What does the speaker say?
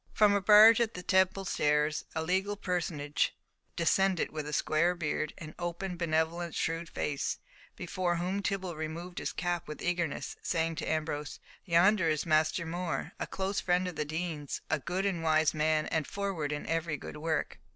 From a barge at the Temple stairs a legal personage descended, with a square beard, and open, benevolent, shrewd face, before whom Tibble removed his cap with eagerness, saying to Ambrose, "Yonder is Master More, a close friend of the dean's, a good and wise man, and forward in every good work."